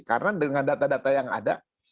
karena dengan data data yang ada